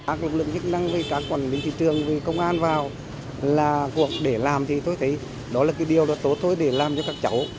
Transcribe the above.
các lực lượng chức năng các quản lý thị trường công an vào là cuộc để làm thì tôi thấy đó là điều tốt thôi để làm cho các cháu